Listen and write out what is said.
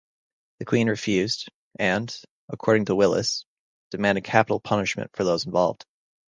The Queen refused, and, according to Willis, demanded capital punishment for those involved.